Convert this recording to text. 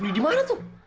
beli di mana tuh